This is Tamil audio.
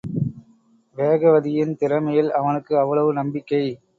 வேகவதியின் திறமையில் அவனுக்கு அவ்வளவு நம்பிக்கை.